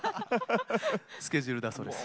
スケジュールだそうです。